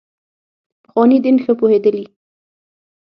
پخواني دین ښه پوهېدلي.